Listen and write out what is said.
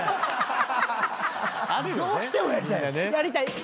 どうしてもやりたい。